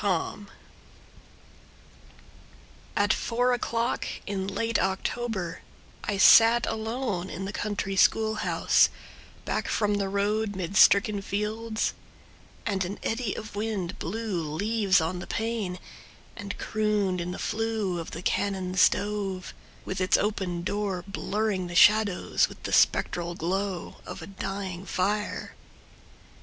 Zilpha Marsh At four o'clock in late October I sat alone in the country school house Back from the road, mid stricken fields, And an eddy of wind blew leaves on the pane, And crooned in the flue of the cannon stove, With its open door blurring the shadows With the spectral glow of a dying fire.